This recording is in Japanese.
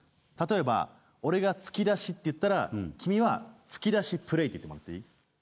例えば俺が「突き出し」って言ったら君は「突き出しプレイ」って言ってもらっていい？